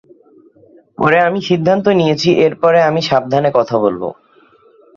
পরে আমি সিদ্ধান্ত নিয়েছি এরপরে আমি সাবধানে কথা বলব।